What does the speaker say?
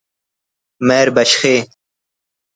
مہر بشخے